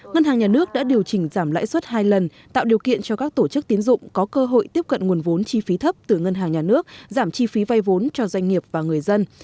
ngân hàng nhà nước đã điều chỉnh giảm lãi suất hai lần tạo điều kiện cho các tổ chức tiến dụng có cơ hội tiếp cận nguồn vốn chi phí thấp từ ngân hàng nhà nước giảm chi phí vay vốn cho doanh nghiệp và người dân